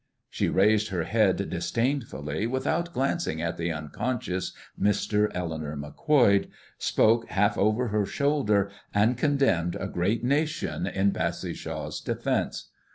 She raised her head disdainfully without glancing at the unconscious Mr. Eleanor Macquoid, spoke half over her shoulder, and condemned a great nation in Bassishaw's defence.